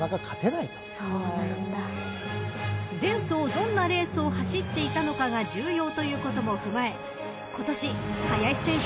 どんなレースを走っていたのかが重要ということも踏まえ今年林先生が注目した馬は］